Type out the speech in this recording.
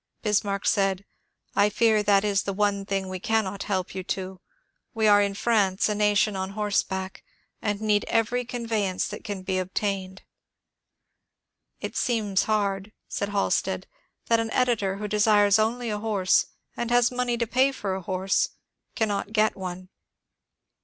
Bismarck said, ^' I fear that is the one thing we cannot help you to ; we are in France a nation on horseback, and need every conveyance that can be obtained." ^' It seems hard," said Halstead, " that an editor who desires only a horse, and has money to pay for a horse, cannot get one."